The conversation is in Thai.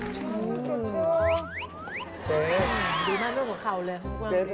เจ๊ดีมากลวงให้เขาเลย